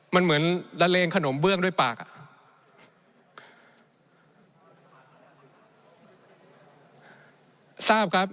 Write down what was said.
มันเหมือนละเลงขนมเบื้องด้วยปากอ่ะ